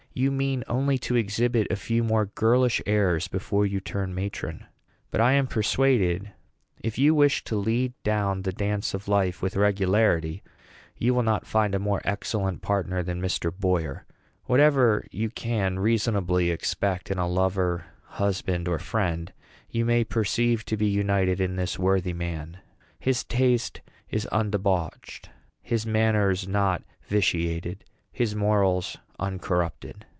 You mean only to exhibit a few more girlish airs before you turn matron; but I am persuaded, if you wish to lead down the dance of life with regularity, you will not find a more excellent partner than Mr. Boyer. Whatever you can reasonably expect in a lover, husband, or friend, you may perceive to be united in this worthy man. His taste is undebauched, his manners not vitiated, his morals uncorrupted.